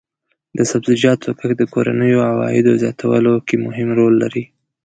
د سبزیجاتو کښت د کورنیو عاید زیاتولو کې مهم رول لري.